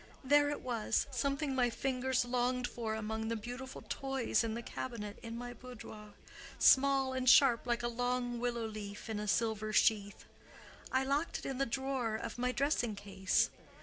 There it was—something my fingers longed for among the beautiful toys in the cabinet in my boudoir—small and sharp like a long willow leaf in a silver sheath. I locked it in the drawer of my dressing case.